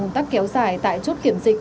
uồn tắc kéo dài tại chốt kiểm dịch